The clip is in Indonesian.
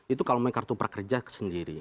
itu kalau main kartu prakerja sendiri